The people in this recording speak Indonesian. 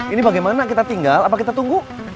ini bagaimana kita tinggal apa kita tunggu